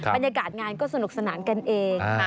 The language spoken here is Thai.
บรรยากาศงานก็สนุกสนานกันเอง